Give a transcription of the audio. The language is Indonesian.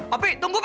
opi tunggu opi